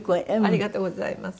ありがとうございます。